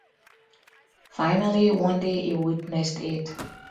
Finally, one day he witnessed it.